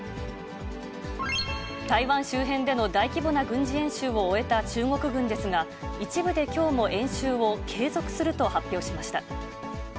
台湾周辺での大規模な軍事演習を終えた中国軍ですが、一部できょうも演習を継続すると発表しました。